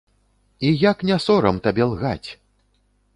І як не сорам табе лгаць?